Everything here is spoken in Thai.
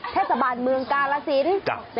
เทศบาลเมืองกาลสิน